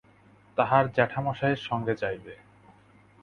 তাহার জেঠামশায়ের সঙ্গে যাইবে।